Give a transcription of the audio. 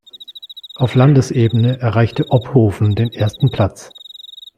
Auf Landesebene erreichte Ophoven den ersten Platz.